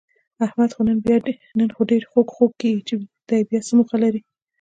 احمد خو نن ډېر خوږ خوږ کېږي، چې دی بیاڅه موخه لري؟